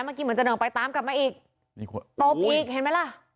เมื่อกี้เหมือนจะหนึ่งออกไปตามกลับมาอีกตบอีกเห็นไหมล่ะ